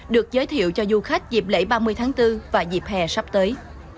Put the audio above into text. được giới thiệu cho du khách dịp lễ ba mươi tháng bốn và dịp hè sắp tới